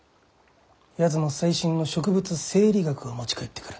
やつも最新の植物生理学を持ち帰ってくる。